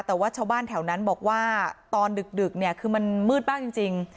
แต่ว่าชาวบ้านแถวนั้นบอกว่าตอนดึกเนี่ยคือมันมืดมากจริง